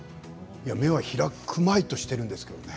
目は開くまいとしているんですけどね。